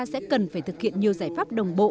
sẽ cần phải thực hiện nhiều giải pháp đồng bộ